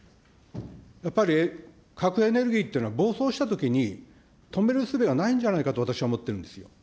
やっぱり核エネルギーっていうのは、暴走したときに、止めるすべがないんじゃないかと、私は思ってるんですよ。